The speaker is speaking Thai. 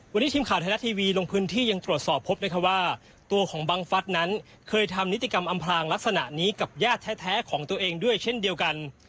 วันนี้ทีมข่าวไทยรัฐทีวีลงพื้นที่ยังตรวจสอบพบนะคะว่าตัวของบังฟัฐนั้นเคยทำนิติกรรมอำพลางลักษณะนี้กับญาติแท้ของตัวเองด้วยเช่นเดียวกัน